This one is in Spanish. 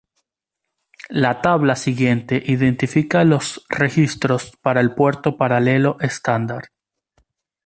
La tabla siguiente identifica los registros para el puerto paralelo estándar.